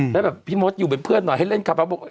แล้วแบบพี่มดอยู่เป็นเพื่อนหน่อยให้เล่นคาบาสบอก